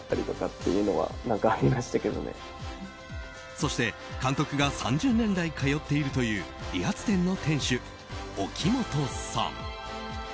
そして監督が３０年来通っているという理髪店の店主沖本さん。